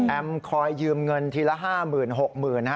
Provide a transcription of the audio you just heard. แอมคอยยืมเงินทีละห้าหมื่นหกหมื่น